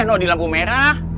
nuh di lampu merah